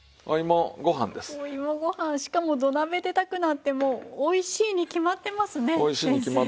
お芋ご飯しかも土鍋で炊くなんてもうおいしいに決まってますね先生。